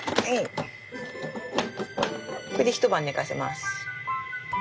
これで一晩寝かせます。